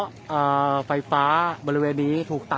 มันก็ไม่ต่างจากที่นี่นะครับ